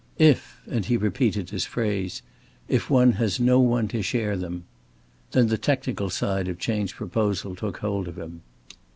If," and he repeated his phrase "If one has no one to share them." Then the technical side of Chayne's proposal took hold of him.